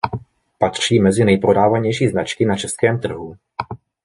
Patří mezi nejprodávanější značky na českém trhu.